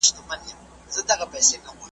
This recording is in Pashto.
زه د تقریباً شپېتو کالو راهیسي شعر لیکم ,